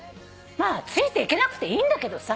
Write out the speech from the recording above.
まあついていけなくていいんだけどさ。